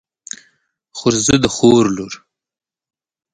خورزه د خور لور.